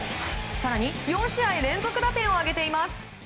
更に、４試合連続打点を挙げています。